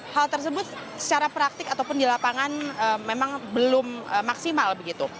hal tersebut secara praktik ataupun di lapangan memang belum maksimal begitu